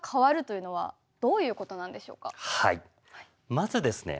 まずですね